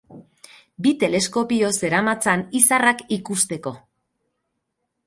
Bi teleskopio zeramatzan izarrak ikusteko.